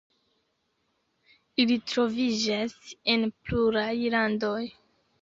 Ili troviĝas en pluraj landoj.